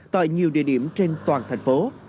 tại nhiều địa điểm trên toàn thành phố